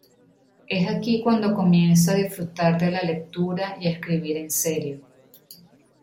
Es aquí cuando comienza a disfrutar de la lectura y a escribir en serio.